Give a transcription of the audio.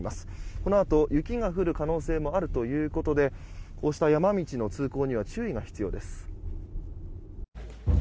このあと、雪が降る可能性もあるということでこうした山道の通行には注意が必要です。